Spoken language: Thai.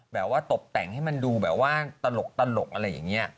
ตบแต่งให้มันดูแบบว่าตลกอะไรอย่างนี้